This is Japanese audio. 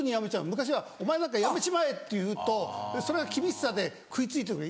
昔は「お前なんか辞めちまえ」って言うとそれは厳しさで食い付いて来る。